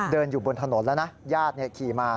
เดินอยู่บนถนนแล้วนะญาติขี่มา